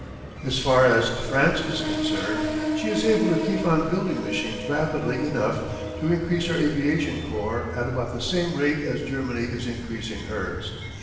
"As far as France is concerned, she is able to keep on building machines rapidly enough to increase her aviation corps at about the same rate as Germany is increasing hers.